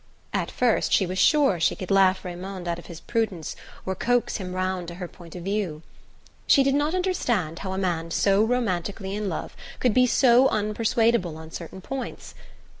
At first she was sure she could laugh Raymond out of his prudence or coax him round to her point of view. She did not understand how a man so romantically in love could be so unpersuadable on certain points.